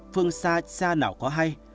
phương xa xa nào có hay